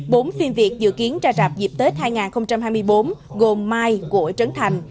bốn phim việt dự kiến ra rạp dịp tết hai nghìn hai mươi bốn gồm mai của trấn thành